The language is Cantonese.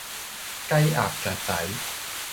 雞鴨雀仔